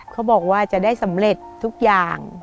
เขาบอกว่าจะได้สำเร็จทุกอย่าง